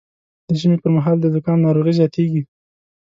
د ژمي پر مهال د زکام ناروغي زیاتېږي